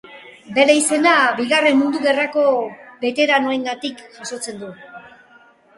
Bere izena bigarren mundu gerrako beteranoengatik jasotzen du.